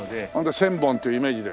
千本というイメージで。